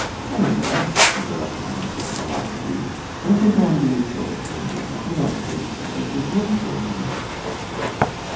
"Anywhere," said the lieutenant, with alacrity; "a little brandy and soda for me; nothing else in these places is worth drinking."